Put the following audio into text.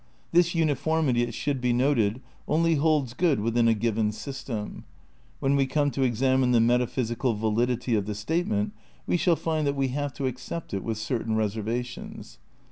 This miiformity, it should be noted, only holds good within a given system; when we come to examine the metaphysical validity of the statement we shall find that we have to accept it with certain reservations.